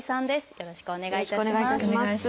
よろしくお願いします。